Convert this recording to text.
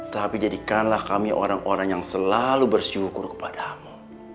tapi jadikanlah kami orang orang yang selalu bersyukur kepadamu